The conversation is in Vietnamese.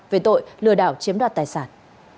về tội lừa đảo chiếm đoạt tài sản